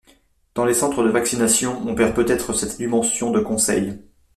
Dans les centres de vaccination, on perd peut-être cette dimension de conseil.